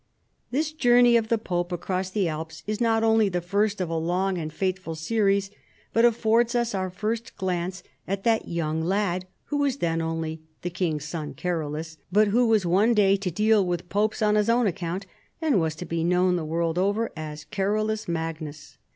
This journey of the pope across the Alps is not only the first of a long and fateful series, but affords us our first glance at that 3'oung lad who was then onl}'' " the king's son Carolus," but Avho was one day to deal with popes on his own account, and was to be known, the world over, as Carolus Magnus.